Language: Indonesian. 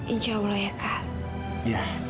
insya allah ya kak